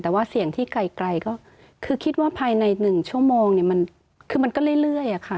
แต่ว่าเสียงที่ไกลก็คือคิดว่าภายใน๑ชั่วโมงเนี่ยมันคือมันก็เรื่อยอะค่ะ